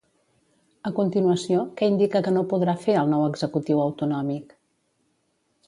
A continuació, què indica que no podrà fer el nou executiu autonòmic?